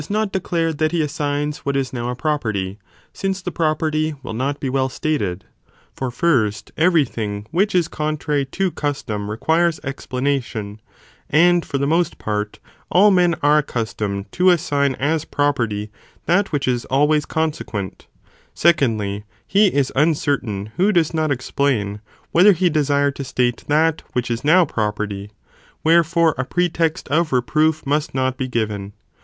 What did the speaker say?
ther the as declare that he assigns what is now.a property, pad ἀᾷ τ since the property will not be well stated. For, does not dis. first, every thing which is contrary to custom re ἦτο ™* quires explanation, and for the most part, all men are accus tomed to assign as property that which is always conse quent ; secondly, he is uncertain who does not explain whether he desired to state that which is now property, wherefore a pretext of reproof must not be given.